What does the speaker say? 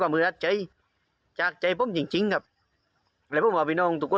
รับผมพี่หวัดให้พี่พลัดเก่าซึ่งทาน